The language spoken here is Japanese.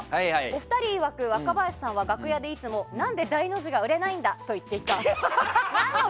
お二人いわく、若林さんは楽屋でいつも何で、ダイノジが売れないんだと言っていた。